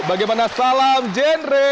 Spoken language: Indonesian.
bagaimana salam genre